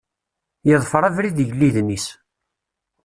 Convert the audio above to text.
Yeḍfer abrid igelliden-is.